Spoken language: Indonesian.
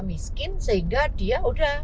miskin sehingga dia udah